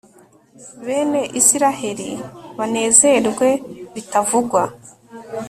bene israheli banezerwe bitavugwa